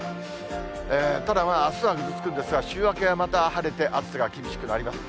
ただ、あすはぐずつくんですが、週明けはまた晴れて、暑さが厳しくなります。